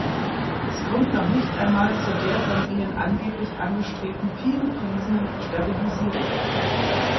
Es kommt noch nicht einmal zu der von ihnen angeblich angestrebten vielgepriesenen Stabilisierung.